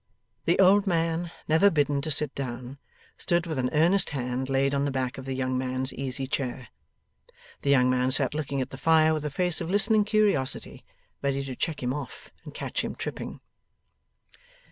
The old man, never bidden to sit down, stood with an earnest hand laid on the back of the young man's easy chair. The young man sat looking at the fire with a face of listening curiosity, ready to check him off and catch him tripping.